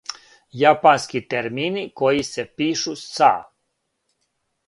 Јапански термини који се пишу са